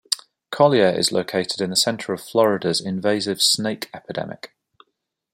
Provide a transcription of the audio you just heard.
Collier is located in the center of Florida's invasive snake epidemic.